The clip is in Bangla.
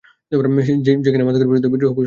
যে কি না মাদকের বিরুদ্ধে বিদ্রোহ ঘোষণা করেছে।